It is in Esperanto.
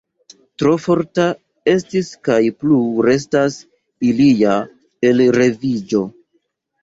Tro forta estis kaj plu restas ilia elreviĝo.